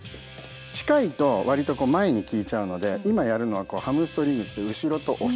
近いと割と前に効いちゃうので今やるのはハムストリングスって後ろとお尻。